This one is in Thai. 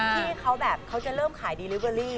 ที่เขาแบบเขาจะเริ่มขายดีลิเวอรี่